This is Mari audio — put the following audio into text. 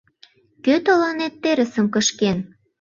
— Кӧ тыланет терысым кышкен?